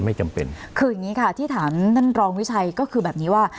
ไม่จำเป็นคืออย่างงี้ค่ะที่ถามท่านรองวิชัยก็คือแบบนี้ว่า